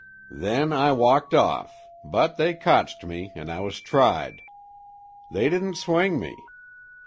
Then I walked off, but they kotched me an' I was tried. They didn't swing me.